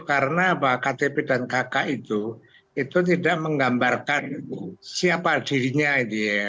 karena bahwa ktp dan kk itu tidak menggambarkan siapa dirinya dia